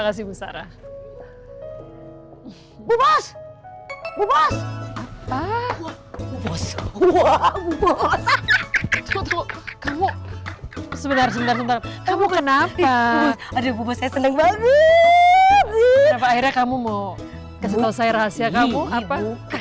kamu kenapa ada buku saya selingkuh akhirnya kamu mau kasih tahu saya rahasia kamu apa